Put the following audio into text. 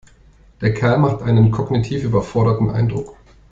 Der Kerl macht einen kognitiv überforderten Eindruck.